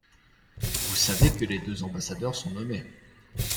Vous savez que les deux ambassadeurs sont nommés.